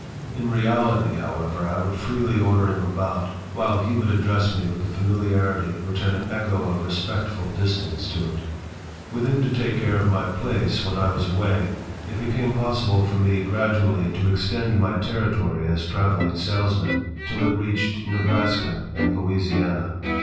In reality, however, I would freely order him about, while he would address me with a familiarity which had an echo of respectful distance to it With him to take care of my place when I was away, it became possible for me gradually to extend my territory as traveling salesman till it reached Nebraska and Louisiana.